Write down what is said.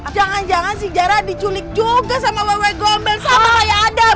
jangan jangan si jara diculik juga sama wewe gombel sama kaya adam